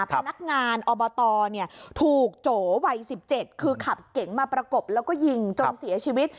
พนักงานอบตถูกโจวัย๑๗คือขับเก๋งมาประกบแล้วก็ยิงจนเสียชีวิต